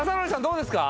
どうですか？